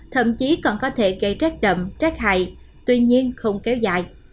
thậm chí còn có thể gây rét đậm rét hại tuy nhiên không kéo dài